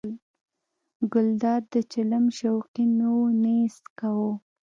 ګلداد د چلم شوقي نه و نه یې څکاوه.